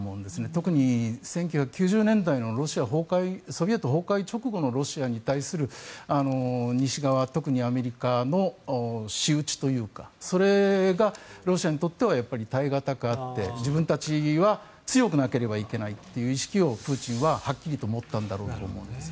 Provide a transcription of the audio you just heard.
とくに１９９０年代のソビエト崩壊直後のロシアに対する西側特にアメリカの仕打ちというかそれがロシアにとっては耐え難くて自分たちは強くなければいけないという意識をプーチンははっきりと持ったんだろうと思います。